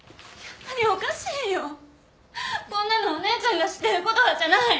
こんなのお姉ちゃんが知ってる琴葉じゃない。